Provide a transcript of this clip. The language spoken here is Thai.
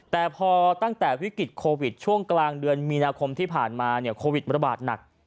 แต่พอตั้งแต่วิกฤตโควิดช่วงกลางเดือนมีนาคมที่ผ่านมาเนี่ยโควิดระบาดหนัก